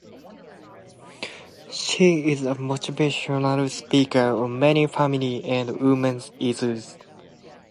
She is a motivational speaker on many family and women's issues.